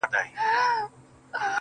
ځم ورته را وړم ستوري په لپه كي.